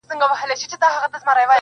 • رند به په لاسو کي پیاله نه لري -